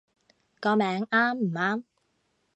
個名啱唔啱